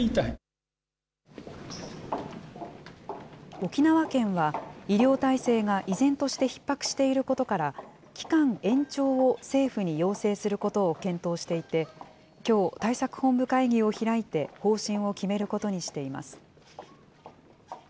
沖縄県は、医療体制が依然としてひっ迫していることから、期間延長を政府に要請することを検討していて、きょう、対策本部会議を開いて方針を決めることにしています。